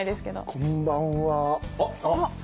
こんばんは。